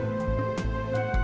saya juga ingin mencoba